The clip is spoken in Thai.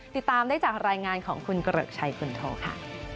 ติดตามได้จากรายงานของคุณเกริกชัยคุณโทค่ะ